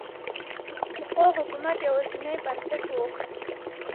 پخوا حکومت یوازینی بنسټ و.